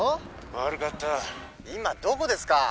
☎悪かった今どこですか？